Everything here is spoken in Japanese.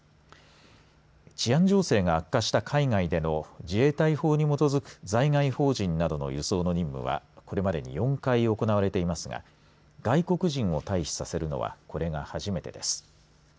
治安情勢が悪化した海外での自衛隊法に基づく在外邦人などの輸送の任務はこれまで４回行われていますが外国人を退避させるのはこれが初めてです。